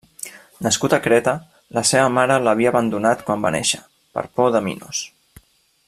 Nascut a Creta, la seva mare l'havia abandonat quan va néixer, per por de Minos.